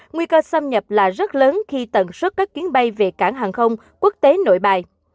nguy cơ xâm nhập là rất lớn khi tần suất các chuyến bay về cảng hàng không quốc tế nội bài